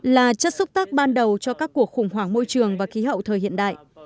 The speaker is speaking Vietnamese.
là chất xúc tác ban đầu cho các cuộc khủng hoảng môi trường và khí hậu thời hiện đại